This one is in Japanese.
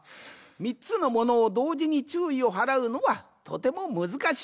３つのものをどうじにちゅういをはらうのはとてもむずかしい。